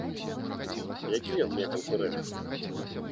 Які ён мне канкурэнт?